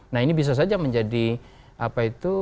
nah ini bisa saja menjadi apa itu